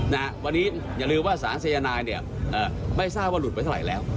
นะฮะวันนี้อย่าลืมว่าสารสายนายเนี่ยไม่ทราบว่าหลุดไปเท่าไหร่แล้ว